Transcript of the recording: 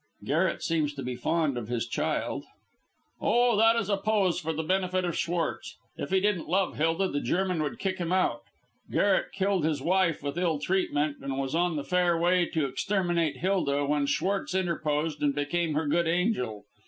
"Garret seems to be fond of his child." "Oh, that is a pose for the benefit of Schwartz. If he didn't love Hilda the German would kick him out. Garret killed his wife with ill treatment, and was on the fair way to exterminate Hilda when Schwartz interposed and became her good angel.